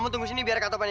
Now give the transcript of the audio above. tuhan maaf tuhan